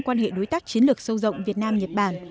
quan hệ đối tác chiến lược sâu rộng việt nam nhật bản